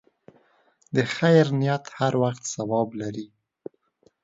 د خیر نیت هر وخت ثواب لري.